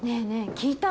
聞いた？